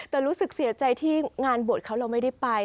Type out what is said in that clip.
แต่รู้สึกเสียใจที่งานบวชเขาเราไม่ได้ไป